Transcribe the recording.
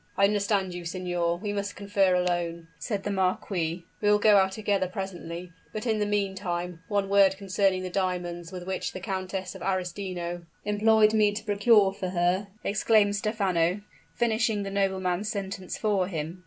"I understand you, signor; we must confer alone," said the marquis. "We will go out together presently; but in the meantime, one word concerning the diamonds which the Countess of Arestino " "Employed me to procure for her," exclaimed Stephano, finishing the nobleman's sentence for him.